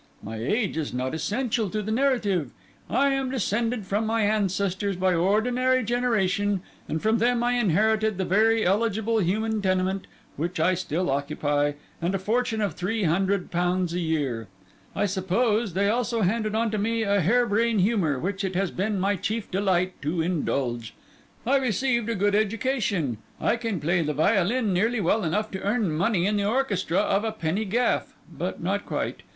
My age is not essential to the narrative. I am descended from my ancestors by ordinary generation, and from them I inherited the very eligible human tenement which I still occupy and a fortune of three hundred pounds a year. I suppose they also handed on to me a hare brain humour, which it has been my chief delight to indulge. I received a good education. I can play the violin nearly well enough to earn money in the orchestra of a penny gaff, but not quite.